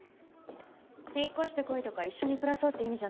引っ越してこいとか一緒に暮らそうって意味じゃないわよ。